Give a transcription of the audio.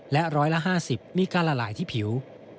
และร้อยละ๕๐มีการละลายที่ผิว